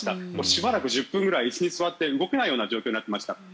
しばらく１０分ぐらい椅子に座って動けないような状況になっていました。